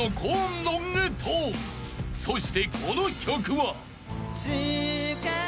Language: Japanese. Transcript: ［そしてこの曲は］